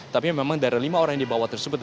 tapi memang dari lima orang yang dibawa tersebut